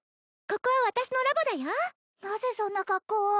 ここは私のラボだよなぜそんな格好を？